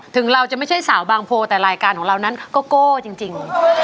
ถึงเราจะไม่ใช่สาวบางโพแต่รายการของเรานั้นก็โก้จริง